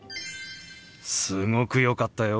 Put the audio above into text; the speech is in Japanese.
すごく良かったよ。